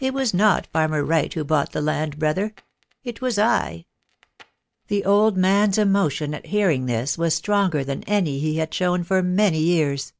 It was not farmer Wright who bought the land, brother — it was I." The old man's emotion at hearing this was stronger than any he had shown for many years.